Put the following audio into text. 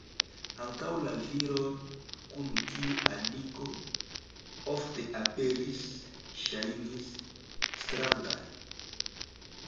Ankaŭ la viroj kun kiuj Aniko ofte aperis ŝajnis strangaj.